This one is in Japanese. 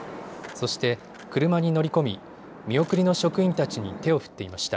そして車に乗り込み見送りの職員たちに手を振っていました。